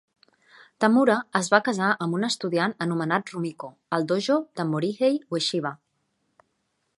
Tamura es va casar amb un estudiant anomenat Rumiko al dojo de Morihei Ueshiba.